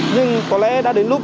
nhưng có lẽ đã đến lúc